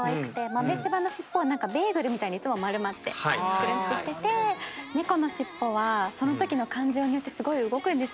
豆柴のしっぽはベーグルみたいにいつも丸まってくるんとしてて猫のしっぽはその時の感情によってすごい動くんですよ。